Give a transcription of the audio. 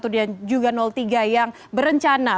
dan juga tiga yang berencana